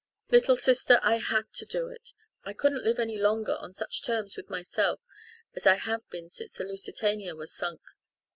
Little sister, I had to do it. I couldn't live any longer on such terms with myself as I have been since the Lusitania was sunk.